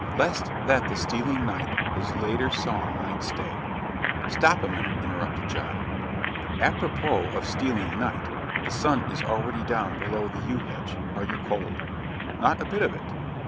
'Lest that the stealing night his later song might stay '" "Stop a minute," interrupted John. "Apropos of 'stealing night,' the sun is already down below the yew hedge. Are you cold?" "Not a bit of it."